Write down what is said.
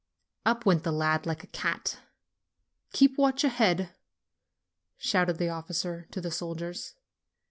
Up went the lad like a cat. "Keep watch ahead!" shouted the officer to the soldiers.